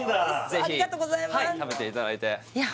ぜひはい食べていただいていや